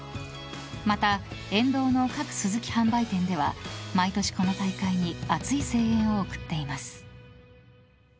また沿道の各スズキ販売店では毎年この大会に熱い声援を送っています。